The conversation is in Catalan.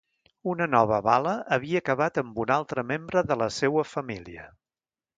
Una nova bala havia acabat amb un altre membre de la seua família.